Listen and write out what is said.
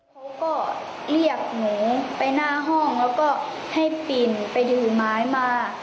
เขาก็เรียกหนูไปหน้าห้องแล้วก็ให้ปิ่นไปยืนไม้มา